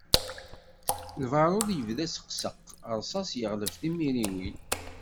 Lbarud yebda aseqseq, rsas yeɣleb timriwin.